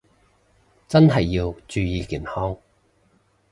真係要注意健康